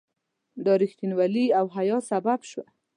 دا رښتینولي او حیا سبب شوه.